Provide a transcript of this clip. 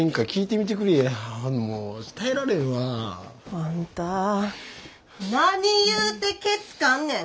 あんた何言うてけつかんねん！